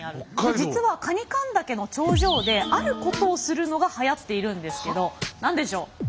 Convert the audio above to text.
実はカニカン岳の頂上であることをするのがはやっているんですけど何でしょう？